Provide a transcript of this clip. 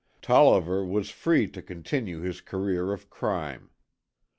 Tolliver was free to continue his career of crime.